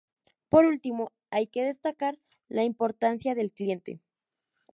Por último, hay que destacar la importancia del cliente.